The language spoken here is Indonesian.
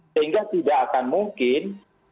sehingga tidak akan mungkin